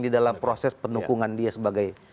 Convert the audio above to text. di dalam proses penukungan dia sebagai